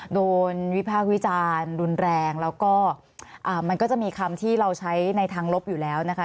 โดนวิพากษ์วิจารณ์รุนแรงแล้วก็มันก็จะมีคำที่เราใช้ในทางลบอยู่แล้วนะคะ